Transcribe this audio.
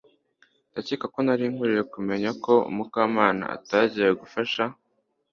Ndakeka ko nari nkwiye kumenya ko Mukamana atagiye gufasha